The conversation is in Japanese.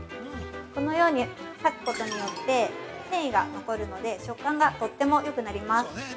このように裂くことによって繊維が残るので、食感がとってもよくなります。